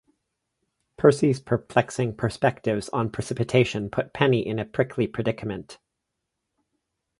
Percy's perplexing perspectives on precipitation put Penny in a prickly predicament.